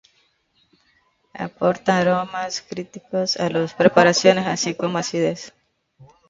Aporta aromas cítricos a las preparaciones, así como acidez.